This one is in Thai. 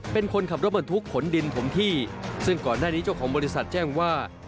เป็นคนขับรถบรรทุกขนดินถมที่ซึ่งก่อนหน้านี้เจ้าของบริษัทแจ้งว่า